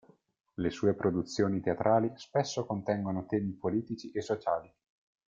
Le sue produzioni teatrali spesso contengono temi politici e sociali.